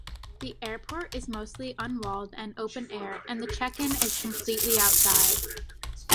The airport is mostly un-walled and open-air, and the check-in is completely outside.